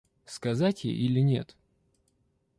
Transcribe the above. Сказать ей или нет?